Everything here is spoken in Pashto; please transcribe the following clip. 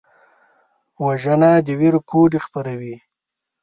وژنه د ویر کوډې خپروي